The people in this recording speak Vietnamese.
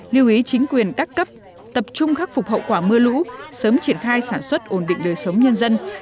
lưu ý chính quyền các cấp tập trung khắc phục hậu quả mưa lũ sớm triển khai sản xuất ổn định đời sống nhân dân